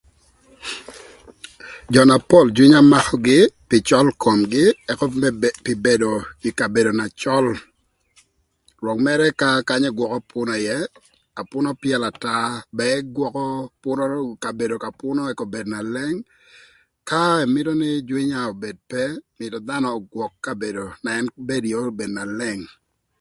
Jö na pol jwïnya mökögï pï cöl komgï ëka me pï bedo ï kabedo na cöl rwök mërë ka kanya ëgwökö pünö ïë, na pünö pyëlö ata ba ëgwökö ka bedo ka pünö ëk obed na leng, ka ëmïtö nï jwïnya obed pe mïtö dhanö ögwök ka bedo na ën bedo ïë obed na leng.